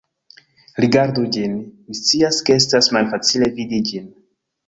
Rigardu ĝin, mi scias, ke estas malfacile vidi ĝin